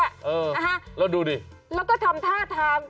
เออนะฮะแล้วดูดิแล้วก็ทำท่าทาง